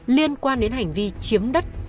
liên quan đến hành vi chiếm đất